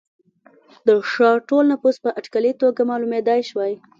د ښار ټول نفوس په اټکلي توګه معلومېدای شوای.